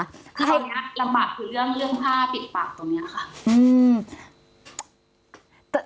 คือตอนนี้ลำบากคือเรื่องผ้าปิดปากตรงนี้ค่ะ